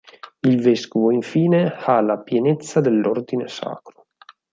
Il vescovo, infine, ha la pienezza dell'ordine sacro.